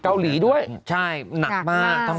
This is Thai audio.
เกาหลีด้วยใช่หนักมากหนักมาก